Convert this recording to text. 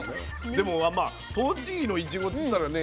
でもまあ栃木のいちごっていったらね